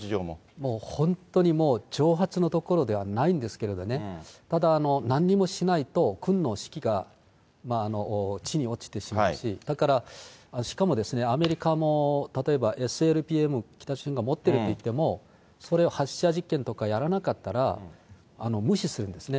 もう本当に挑発のところではないんですけどね、ただ、なんにもしないと軍の士気が地に落ちてしまうし、だから、しかもですね、アメリカも、例えばＳＬＢＭ、北朝鮮が持ってるっていっても、それを発射実験とかやらなかったら無視するんですね。